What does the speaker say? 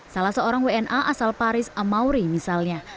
salah seorang wna asal paris amauri misalnya